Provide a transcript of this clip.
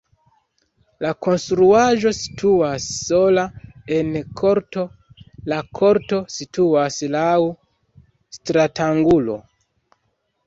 La konstruaĵo situas sola en korto, la korto situas laŭ stratangulo.